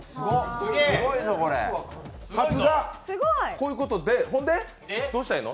こういうことで、ほんでどうしたらええの？